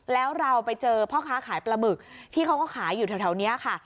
แล้วเราไปเจอพ่อค้าขายปลาหมึกที่เขาก็ขายอยู่แถวนี้ค่ะ